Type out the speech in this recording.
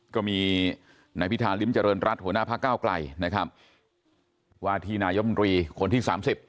ก็มีนายพิธาลิ้มเจริญรัฐหัวหน้าพักก้าวกล่ายนะครับวาธินายมรีคนที่๓๐